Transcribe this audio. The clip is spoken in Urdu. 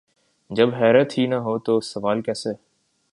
جب حیرت ہی نہ ہو تو سوال کیسے؟